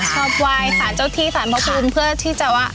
ชอบไหวสารเจ้าที่สารพาพลูม